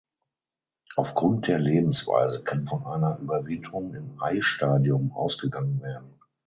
Aufgrund der Lebensweise kann von einer Überwinterung im Eistadium ausgegangen werden.